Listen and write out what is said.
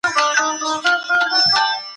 تر هغه وخته پوري انتظار وکړه چي زه راځم.